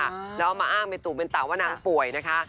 แล้วเอามาอ้างเป็นตู่เป็นเต่าว่านางป่วยนะคะ